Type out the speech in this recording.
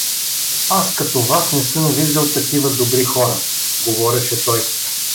Аз като вас не съм виждал такива добри хора — говореше той.